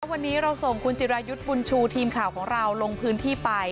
และวันนี้เราส่งทีมข่าวของเราลงพื้นที่ไป